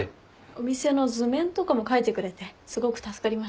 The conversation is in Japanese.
お店の図面？とかも描いてくれてすごく助かりました。